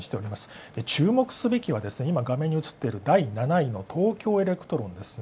で、注目すべきは今、画面に映っている第７位の東京エレクトロンです。